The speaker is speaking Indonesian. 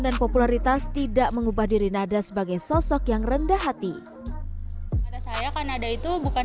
dan popularitas tidak mengubah diri nada sebagai sosok yang rendah hati saya kan ada itu bukan